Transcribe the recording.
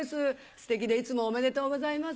ステキでいつもおめでとうございます。